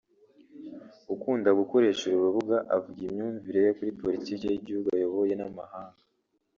ukunda gukoresha uru rubuga avuga imyumvire ye kuri politiki y’igihugu ayoboye n’amahanga